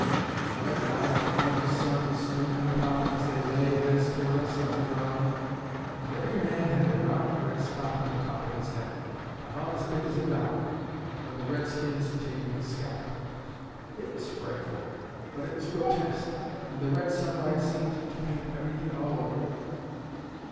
The red light of the morning sun was streaming upon them as they lay, heads toward us, on the ground, and every man had a round red spot on the top of his head, about as big as a dollar, where the redskins had taken his scalp. It was frightful, but it was grotesque, and the red sunlight seemed to paint everything all over."